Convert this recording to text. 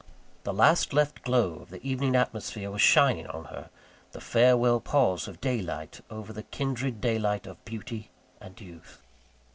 The last left glow of the evening atmosphere was shining on her the farewell pause of daylight over the kindred daylight of beauty and youth.